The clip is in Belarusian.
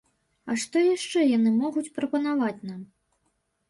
А што яшчэ яны могуць прапанаваць нам?